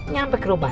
nyampe ke rumah